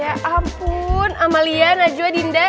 ya ampun amalia najwa dinda